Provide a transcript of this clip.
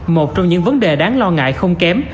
một trong những vấn đề đáng lo ngại không kém